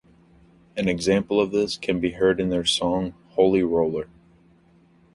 An example of this can be heard in their song "Holy Roller".